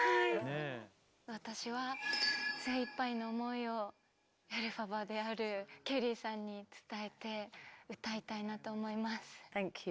私は精いっぱいの思いをエルファバであるケリーさんに伝えて歌いたいなと思います。